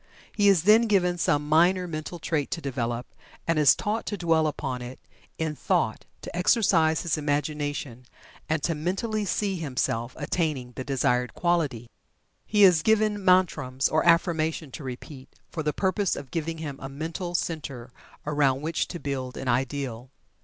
He is then given some minor mental trait to develop, and is taught to dwell upon it in thought to exercise his imagination and to mentally "see" himself attaining the desired quality. He is given mantrams or affirmation to repeat, for the purpose of giving him a mental center around which to build an ideal.